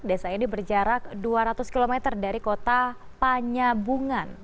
desa ini berjarak dua ratus km dari kota panyabungan